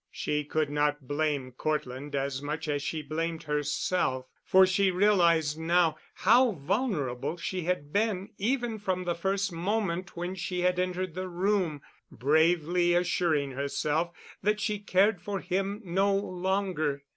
She could not blame Cortland as much as she blamed herself, for she realized now how vulnerable she had been even from the first moment when she had entered the room, bravely assuring herself that she cared for him no longer.